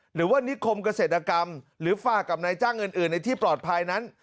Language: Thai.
หรือว่านิคมเกษตรกรรมหรือฝากกับนายจ้างอื่นในที่ปลอดภัยนั้น